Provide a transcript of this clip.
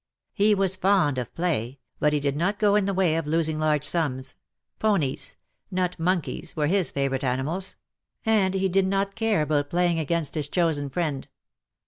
He was fond of play, but he did not go m the way of losing large sums —^^ ponies'' not '^monkies'' were his favourite animals — and '^ LOVE WILL HAVE HIS DAY." 69 he did not care about playing against his chosen friend.